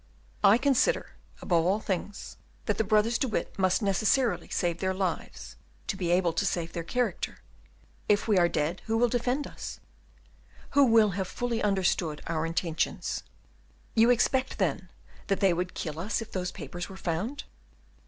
"I consider, above all things, that the brothers De Witt must necessarily save their lives, to be able to save their character. If we are dead, who will defend us? Who will have fully understood our intentions?" "You expect, then, that they would kill us if those papers were found?"